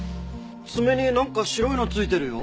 爪になんか白いの付いてるよ。